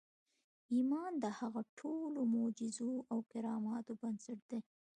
ایمان د هغو ټولو معجزو او کراماتو بنسټ دی